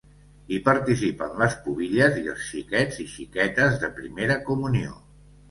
Hi participen les pubilles i els xiquets i xiquetes de Primera Comunió.